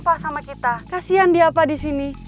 pak sama kita kasihan dia pak disini